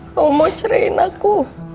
kamu mau ceraiin aku